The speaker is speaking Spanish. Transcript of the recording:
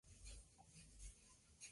No ha logrado victorias como profesional.